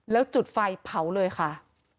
แล้วจุดไฟเผาเลยค่ะ